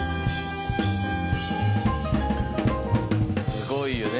すごいよね。